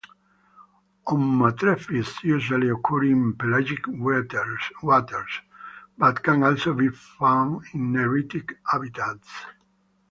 Ommastrephids usually occur in pelagic waters, but can also be found in neritic habitats.